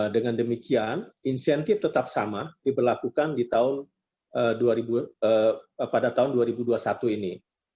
dengan demikian insentif tetap sama diberlakukan pada tahun dua ribu dua puluh satu ini